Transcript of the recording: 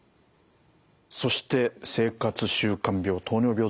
そして生活習慣病糖尿病ですね。